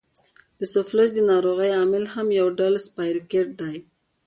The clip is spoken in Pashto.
دوسفلیس د ناروغۍ عامل هم یو ډول سپایروکیټ دی.